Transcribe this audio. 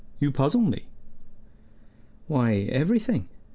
You puzzle me." "Why, everything.